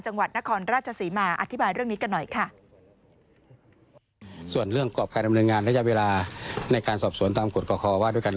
จังหวัดนครราชศรีมาอธิบายเรื่องนี้กันหน่อยค่ะ